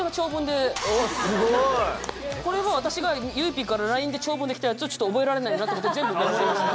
これは私がゆいＰからＬＩＮＥで長文で来たやつをちょっと覚えられないなと思って全部メモりました。